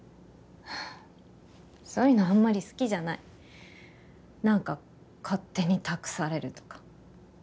そういうのあんまり好きじゃない何か勝手に託されるとか